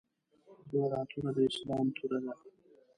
زما دا توره د اسلام توره ده.